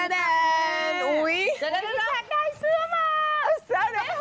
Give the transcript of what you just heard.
ได้ไล่แล้ว